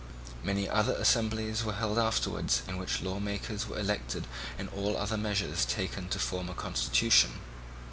Many other assemblies were held afterwards, in which law makers were elected and all other measures taken to form a constitution.